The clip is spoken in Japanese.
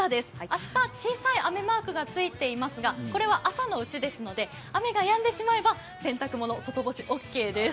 明日、小さい雨マークがついていますが、これは朝だけですので雨がやんでしまえば洗濯物外干しオーケーです。